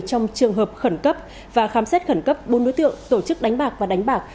trong trường hợp khẩn cấp và khám xét khẩn cấp bốn đối tượng tổ chức đánh bạc và đánh bạc